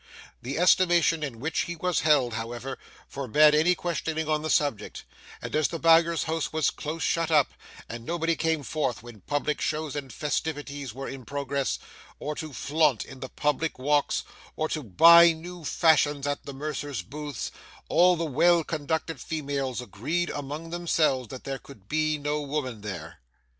The estimation in which he was held, however, forbade any questioning on the subject; and as the Bowyer's house was close shut up, and nobody came forth when public shows and festivities were in progress, or to flaunt in the public walks, or to buy new fashions at the mercers' booths, all the well conducted females agreed among themselves that there could be no woman there.